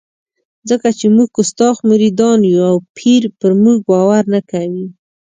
ځکه چې موږ کستاخ مریدان یو او پیر پر موږ باور نه کوي.